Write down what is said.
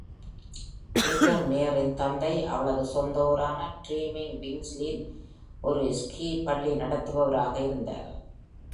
மிட்டர்மேயரின் தந்தை அவளது சொந்த ஊரான ரீட்-இம்-விங்க்லில் ஒரு ஸ்கி பள்ளி நடத்துபவராக இருந்தார்.